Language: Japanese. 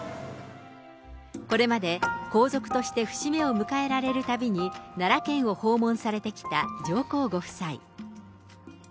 これまで皇族として節目を迎えられるたびに、奈良県を訪問されてきた上皇ご夫妻。